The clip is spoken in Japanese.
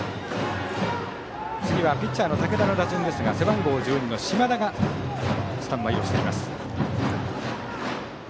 次はピッチャーの竹田の打順ですが背番号１２の島田がスタンバイしています。